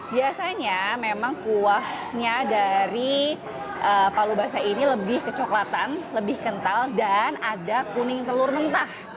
biasanya memang kuahnya dari palu basah ini lebih kecoklatan lebih kental dan ada kuning telur mentah